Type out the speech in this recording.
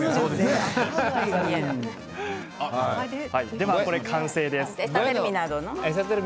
では完成です。